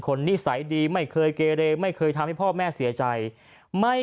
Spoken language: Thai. นิสัยดีไม่เคยเกเรไม่เคยทำให้พ่อแม่เสียใจไม่